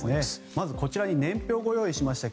まず、こちらに年表をご用意しました。